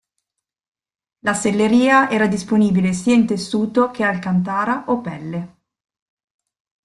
La selleria era disponibile sia in tessuto che alcantara o pelle.